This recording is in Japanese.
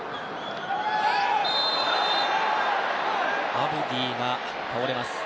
アブディが倒れました。